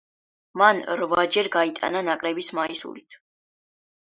მან რვაჯერ გაიტანა ნაკრების მაისურით.